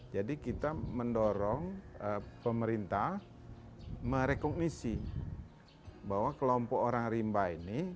jadi kita mendorong pemerintah merekognisi bahwa kelompok orang rimba ini